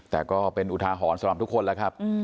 แต่ก็เป็นอุทาหรณ์สำหรับทุกคนแล้วครับ